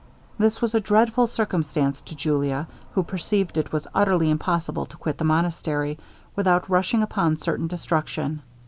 This was a dreadful circumstance to Julia, who perceived it was utterly impossible to quit the monastery, without rushing upon certain destruction.